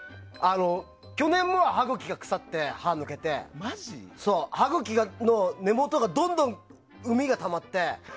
去年も歯茎が腐って歯が抜けて、歯茎の根元にどんどんウミがたまって。